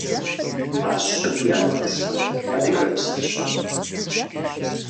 А щым я нэхъыщхьэр адыгэбзэрщ.